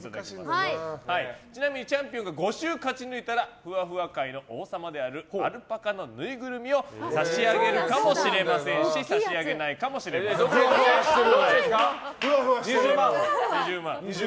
チャンピオンが５週勝ち抜いたらふわふわ界の王様であるアルパカのぬいぐるみを差し上げるかもしれませんしふわふわしてる！